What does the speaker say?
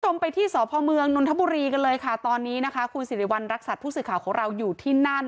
คุณผู้ชมไปที่สพเมืองนนทบุรีกันเลยค่ะตอนนี้นะคะคุณสิริวัณรักษัตริย์ผู้สื่อข่าวของเราอยู่ที่นั่น